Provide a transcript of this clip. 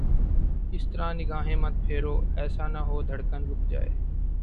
اس طرح نگاہیں مت پھیرو، ایسا نہ ہو دھڑکن رک جائے